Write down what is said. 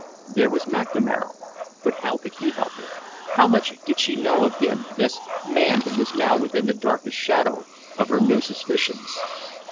There was McNamara; but how could he help her, how much did she know of him, this man who was now within the darkest shadow of her new suspicions?